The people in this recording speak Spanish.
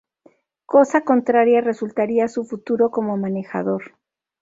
Cosa contraria resultaría su futuro como manejador.